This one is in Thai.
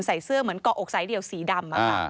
ใส่เสื้อเหมือนเกาะอกสายเดี่ยวสีดำ